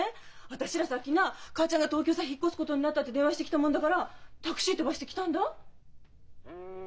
私らさっきなあ母ちゃんが東京さ引っ越すことになったって電話してきたもんだからタクシー飛ばしてきたんだ。